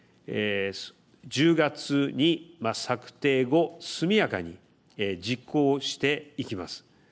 １０月に策定後速やかに実行していきます。